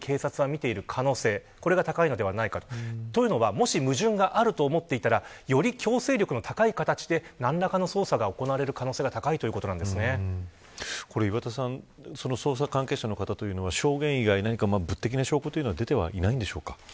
もし矛盾があると思っていたらより強制力の高い形で何らかの捜査が行われる可能性が岩田さんその捜査関係者の方というのは証言以外物的な証拠は出てはいないんでしょうか。